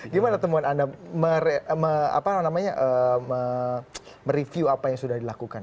gimana temuan anda mereview apa yang sudah dilakukan